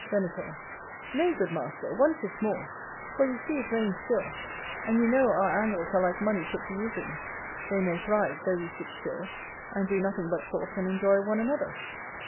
Venator. Nay, good master, one fish more, for you see it rains still: and you know our angles are like money put to usury; they may thrive, though we sit still, and do nothing but talk and enjoy one another.